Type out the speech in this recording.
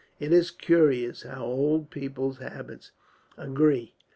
It is curious how old people's habits agree.